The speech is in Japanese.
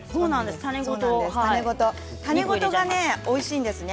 種ごとがおいしいんですね。